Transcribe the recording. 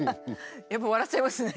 やっぱ笑っちゃいますね。